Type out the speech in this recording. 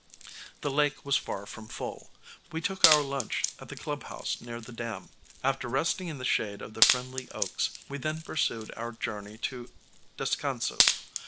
The lake was far from full. We took our lunch at the clubhouse near the dam. After resting in the shade of the friendly oaks we then pursued our journey to Descanso.